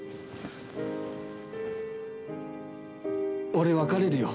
俺、別れるよ。